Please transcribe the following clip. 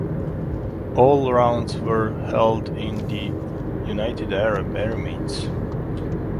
All rounds were held in the United Arab Emirates.